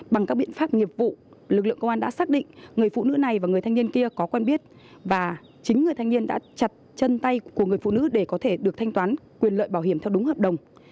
bằng các biện pháp nghiệp vụ lực lượng công an đã xác định người phụ nữ này và người thanh niên kia có quen biết và chính người thanh niên đã chặt chân tay của người phụ nữ để có thể được thanh toán quyền lợi bảo hiểm theo đúng hợp đồng